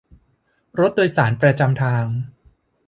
รถโดยสารประจำทาง